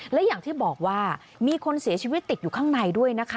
และอย่างที่บอกว่ามีคนเสียชีวิตติดอยู่ข้างในด้วยนะคะ